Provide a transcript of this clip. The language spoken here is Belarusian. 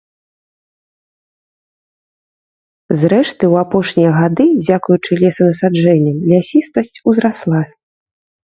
Зрэшты, у апошнія гады, дзякуючы лесанасаджэнням, лясістасць узрасла.